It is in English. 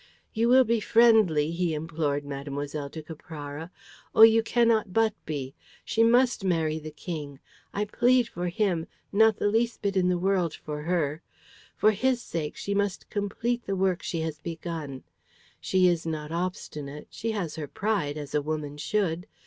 "You will be friendly," he implored Mlle. de Caprara. "Oh, you cannot but be! She must marry the King. I plead for him, not the least bit in the world for her. For his sake she must complete the work she has begun. She is not obstinate; she has her pride as a woman should.